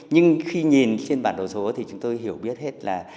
nhưng khi nhìn trên bản đồ số thì chúng tôi hiểu biết hết là